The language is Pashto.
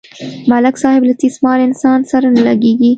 د ملک صاحب له تیس مار انسان سره نه لگېږي.